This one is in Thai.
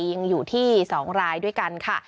ยังอยู่ที่๒รายด้วยกันค่ะ